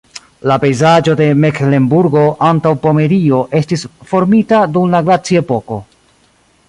La pejzaĝo de Meklenburgo-Antaŭpomerio estis formita dum la glaciepoko.